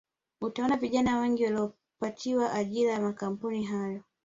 Utaona vijana wengi waliopatiwa ajira na makampuni hayo